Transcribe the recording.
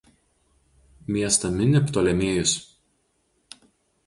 Miestą mini Ptolemėjus.